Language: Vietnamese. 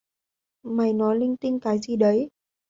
Mày nói linh tinh cái gì đấy